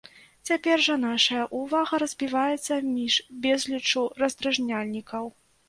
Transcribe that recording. Цяпер жа нашая ўвага разбіваецца між безліччу раздражняльнікаў.